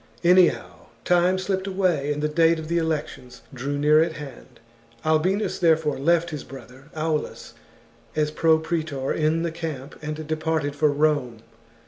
Anyhow, time slipped away, and the date of the elections drew near at hand. Albinus, there fore, left his brother Aulus as pro praetor in the camp, and departed for Rome.